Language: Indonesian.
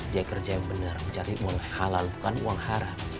dia kerja yang benar mencari uang halal bukan uang haram